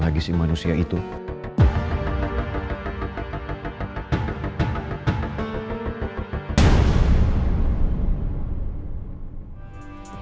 tante nawang yang keliatan